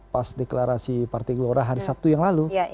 pas deklarasi partai gelora hari sabtu yang lalu